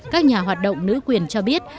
các nhà hoạt động nữ quyền cho biết